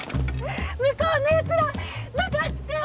向こうのやつらムカつく！